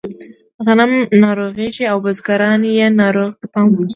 غنم ناروغېږي او بزګرانو یې ناروغیو ته پام کاوه.